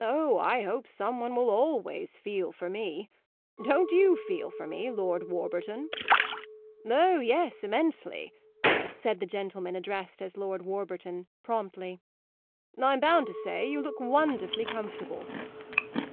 "Oh, I hope some one will always feel for me! Don't you feel for me, Lord Warburton?" "Oh yes, immensely," said the gentleman addressed as Lord Warburton, promptly. "I'm bound to say you look wonderfully comfortable."